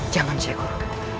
jangan syekh guru